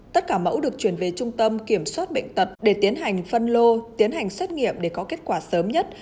tất cả mẫu được chuyển về trung tâm kiểm soát bệnh tật để tiến hành phân lô tiến hành xét nghiệm để có kết quả sớm nhất